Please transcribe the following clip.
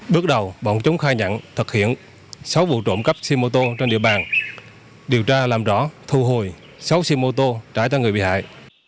bước đầu bọn chúng khai nhận thực hiện sáu vụ trộm cắp xe mô tô trên địa bàn điều tra làm rõ thu hồi sáu xe mô tô trả cho người bị hại